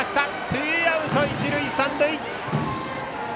ツーアウト、一塁三塁。